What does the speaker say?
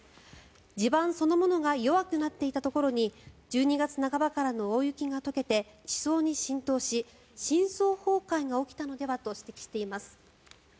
地盤そのものが弱くなっていたところに１２月半ばからの大雪が解けて地層に浸透し深層崩壊が起きたのではと指摘しています。